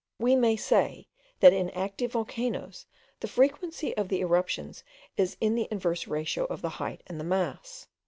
We may say, that in active volcanoes the frequency of the eruptions is in the inverse ratio of the height and the mass.